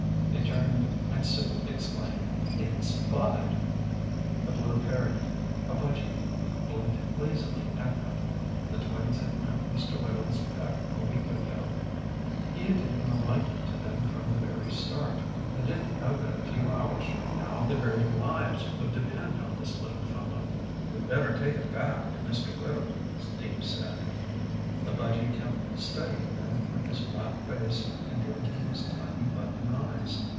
They turned and Sue exclaimed, "It's Bud!" The blue parakeet, a budgy, blinked lazily at them. The twins had met Mr. Whittle's pet a week ago. He had taken a liking to them from the very start. They didn't know that a few hours from now their very lives would depend on this little fellow. "We'd better take him back to Mr. Whittle," Steve said. The budgy kept studying them with his flat face and blinking his tiny button eyes.